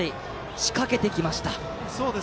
仕掛けてきました。